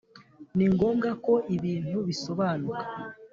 ni ngombwa ko ibintu bisobanuka